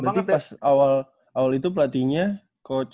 berarti pas awal awal itu pelatihnya coach